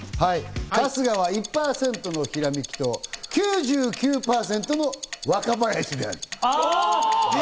春日とは１％のひらめきと９９％の若林じゃない？